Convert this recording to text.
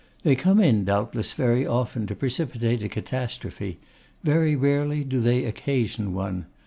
They come in, doubtless, very often to precipitate a catastrophe; very rarely do they occasion one.